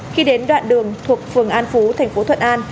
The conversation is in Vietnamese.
khi đến đoạn đường thuộc phường an phú tp thuận an